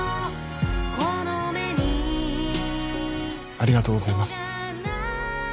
ありがとうございます